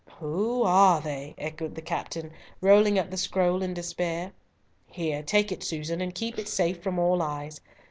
"Who are they?" echoed the captain, rolling up the scroll in despair. "Here, take it, Susan, and keep it safe from all eyes.